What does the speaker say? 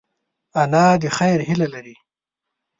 انا د خیر هیله لري